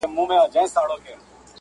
چي په اروپا، امریکا، کاناډا